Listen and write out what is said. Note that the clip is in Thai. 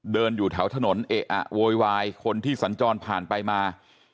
เดินอยู่แถวถนนเอะอะโวยวายคนที่สัญจรผ่านไปมา